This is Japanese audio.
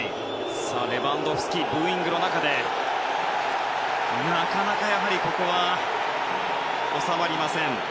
レバンドフスキブーイングの中でなかなかやはりここは収まりませんでした。